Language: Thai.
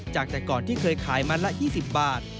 จากแต่ก่อนที่เคยขายมัดละ๒๐บาท